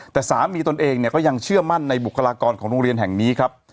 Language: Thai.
แต่สามีตนเองเนี่ยก็ยังเชื่อมั่นในบุคลากรของโรงเรียนแห่งนี้ครับ